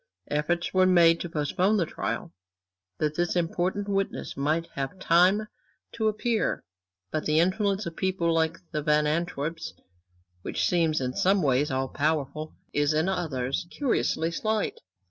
Efforts were made to postpone the trial, that this important witness might have time to appear. But the influence of people like the Van Antwerps, which seems in some ways all powerful, is in others curiously slight.